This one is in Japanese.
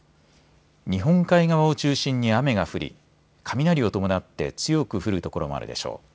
日本海側を中心に雨が降り、雷を伴って強く降る所もあるでしょう。